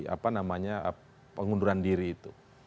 apa namanya pengunduran diri itu